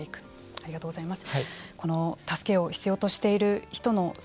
ありがとうございます。